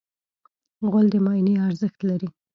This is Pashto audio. غول د معاینې ارزښت لري.